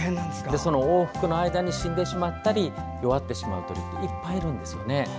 往復の間に死んでしまったり弱ってしまう鳥っていっぱいいるんですね。